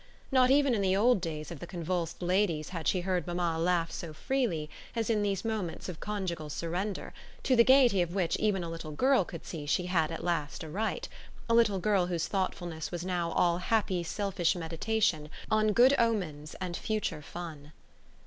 Not even in the old days of the convulsed ladies had she heard mamma laugh so freely as in these moments of conjugal surrender, to the gaiety of which even a little girl could see she had at last a right a little girl whose thoughtfulness was now all happy selfish meditation on good omens and future fun.